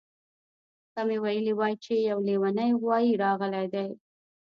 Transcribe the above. که مې ویلي وای چې یو لیونی غوایي راغلی دی